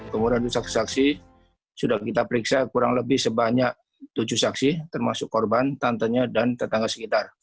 kemudian saksi saksi sudah kita periksa kurang lebih sebanyak tujuh saksi termasuk korban tantenya dan tetangga sekitar